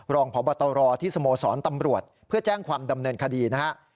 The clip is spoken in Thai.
รองพบตรที่สโมสรตำรวจเพื่อแจ้งความดำเนินคดีนะฮะ